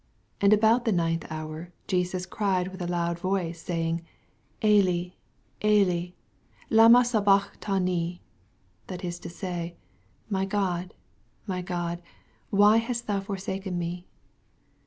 46 And about the ninth hour Jesas cried with a loud voice, saying, Eli, £li, lama sabachthani ? that is to say, My God, my God, why hast thou for Baken me